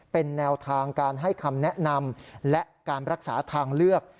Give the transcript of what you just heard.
เป็นแนวทางการให้คำแนะนำและการรักษาทางเลือก